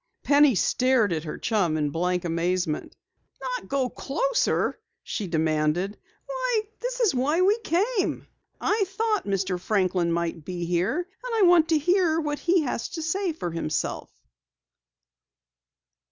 Penny stared at her chum in blank amazement. "Not go closer?" she demanded. "Why, this is why we came! I thought Mr. Franklin might be here, and I want to hear what he has to say for himself."